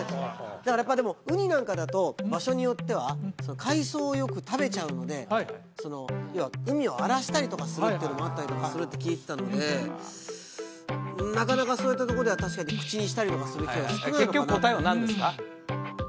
やっぱでもウニなんかだと場所によっては海藻をよく食べちゃうので要は海を荒らしたりとかするってのもあったりとかするって聞いてたのでなかなかそういったとこでは確かに口にしたりとか結局答えは何ですか？